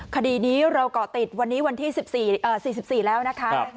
คดีนี้เราเกาะติดวันนี้วันที่๔๔แล้วนะคะ